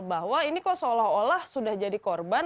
bahwa ini kok seolah olah sudah jadi korban